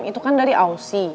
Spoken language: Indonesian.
itu kan dari ausi